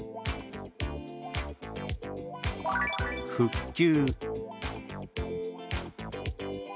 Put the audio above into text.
「復旧」。